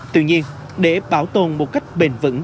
tuy nhiên để bảo tồn một cách bền vững